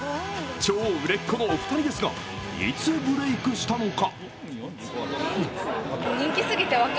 超売れっ子のお二人ですがいつブレークしたのか。